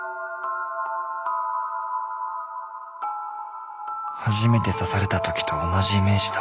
心の声初めて刺された時と同じイメージだ。